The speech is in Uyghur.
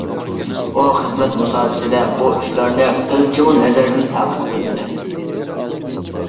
ئۇ خىزمەت مۇساپىسىدە بۇ ئىشلارنى قىلچىمۇ نەزەردىن ساقىت قىلمىدى.